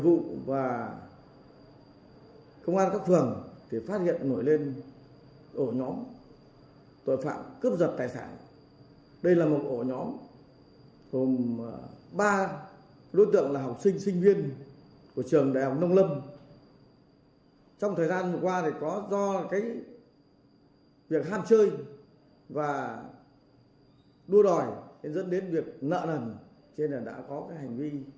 đã gây ra khoảng hai mươi vụ cướp giật tài sản trên địa bàn thành phố thái nguyên